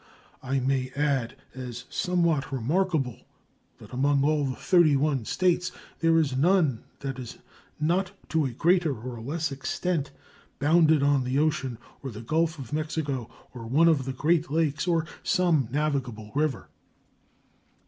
I may add, as somewhat remarkable, that among all the thirty one States there is none that is not to a greater or less extent bounded on the ocean, or the Gulf of Mexico, or one of the Great Lakes, or some navigable river.